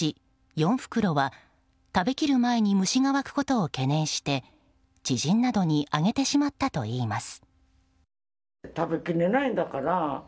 ４袋は食べきる前に虫が湧くことを懸念して知人などにあげてしまったといいます。